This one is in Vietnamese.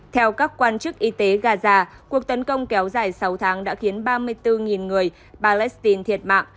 theo các quan chức y tế gaza cuộc tấn công kéo dài sáu tháng đã khiến ba mươi bốn người palestine thiệt mạng